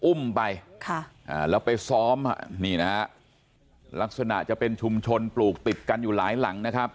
อุ้มไปแล้วไปซ้อมนี่นะฮะลักษณะจะเป็นชุมชนปลูกติดกันอยู่หลายหลังนะครับ